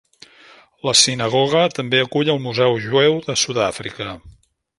La sinagoga també acull el museu jueu de Sud-àfrica.